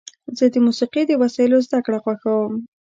زه د موسیقۍ د وسایلو زدهکړه خوښوم.